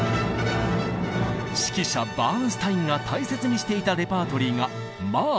指揮者バーンスタインが大切にしていたレパートリーがマーラー。